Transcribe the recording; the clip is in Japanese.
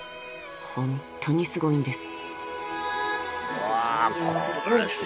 ［ホントにすごいんです］